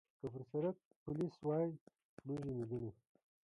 که پر سړک پولیس وای، موږ یې لیدلو.